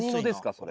それ。